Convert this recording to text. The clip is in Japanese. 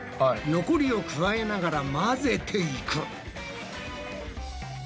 残りを加えながら混ぜていく。